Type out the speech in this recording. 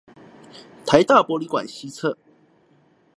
臺大博理館西側